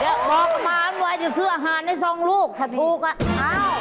เดี๋ยวบอกประมาณไว้เดี๋ยวซื้ออาหารให้สองลูกถ้าถูกก็เอ้า